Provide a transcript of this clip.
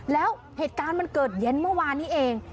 แล้วเหตุการณ์มันเกิดเย็นเมื่อวานนี้เอง